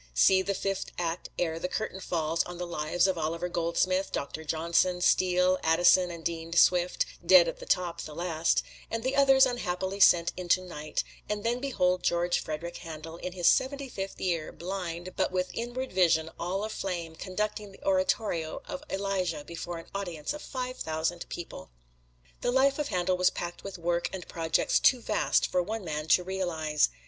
See the fifth act ere the curtain falls on the lives of Oliver Goldsmith, Doctor Johnson, Steele, Addison and Dean Swift (dead at the top, the last), and the others unhappily sent into Night; and then behold George Frederick Handel, in his seventy fifth year, blind, but with inward vision all aflame, conducting the oratorio of "Elijah" before an audience of five thousand people! The life of Handel was packed with work and projects too vast for one man to realize.